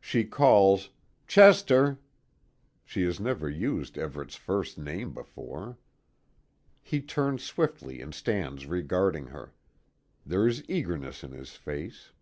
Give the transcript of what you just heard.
She calls: "Chester." She has never used Everet's first name before. He turns swiftly and stands regarding her. There is eagerness in his face.